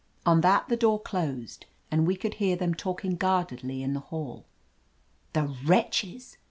On that the door closed, and we could hear them talking guardedly in the hall. "The wretches!"